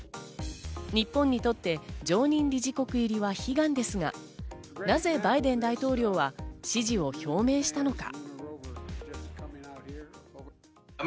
日本にとって常任理事国入りは悲願ですが、なぜバイデン大統領は支持を表明したのか。